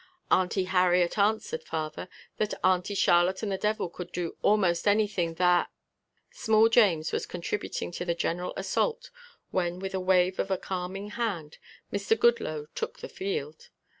"Auntie Harriet answered father that Auntie Charlotte and the devil could do most anything that " small James was contributing to the general assault when with a wave of a calming hand Mr. Goodloe took the field.